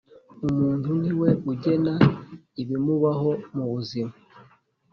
umuntu ni we ugena ibimubaho mu buzima